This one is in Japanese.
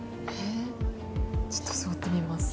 ちょっと座ってみます。